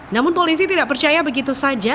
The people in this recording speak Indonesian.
namun polisi tidak percaya begitu saja